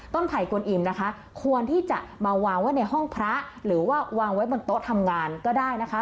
ไผ่กวนอิ่มนะคะควรที่จะมาวางไว้ในห้องพระหรือว่าวางไว้บนโต๊ะทำงานก็ได้นะคะ